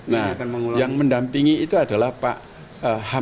nah yang mendampingi itu adalah pak hamam